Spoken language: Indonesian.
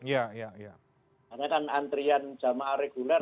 karena kan antrian jama' reguler